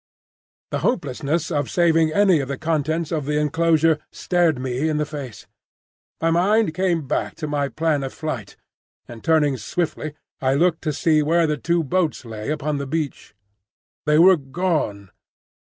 The hopelessness of saving any of the contents of the enclosure stared me in the face. My mind came back to my plan of flight, and turning swiftly I looked to see where the two boats lay upon the beach. They were gone!